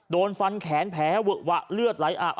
โดนฟันแขนแผลเวอะวะเลือดไหลอาบ